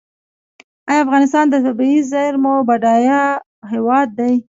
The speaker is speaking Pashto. آیا افغانستان د طبیعي زیرمو بډایه هیواد دی؟